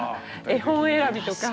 絵本選びとか。